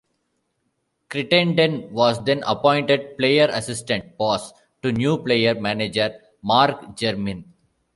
Crittenden was then appointed player-assistant boss to new player-manager Mark Jermyn.